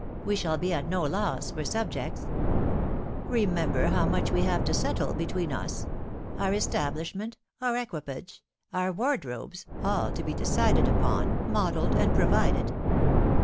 We shall be at no loss for subjects. ... Remember how much we have to lettle between us !..*>. our establishment, our equipage, our wardrobes, all to be decided upon, modelled, and provided.